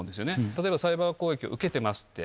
例えば、サイバー攻撃を受けてますって。